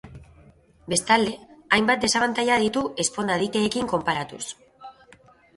Bestalde, hainbat desabantaila ditu ezponda-dikeekin konparatuz.